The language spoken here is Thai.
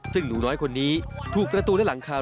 ซึ่งหนูน้อยคนนี้ถูกประตูและหลังคา